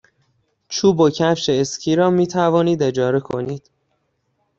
چوب و کفش اسکی را می توانید اجاره کنید.